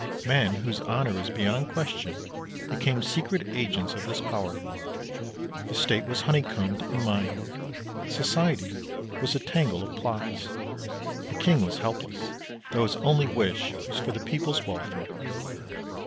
Men whose honor was beyond question became secret agents of this power. The state was honeycombed and mined; society was a tangle of plots. The king was helpless, though his only wish was for the people's welfare.